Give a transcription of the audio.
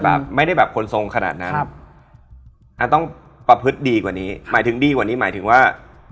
แบบไม่ได้แบบคนทรงขนาดนั้นครับอันต้องประพฤติดีกว่านี้หมายถึงดีกว่านี้หมายถึงว่า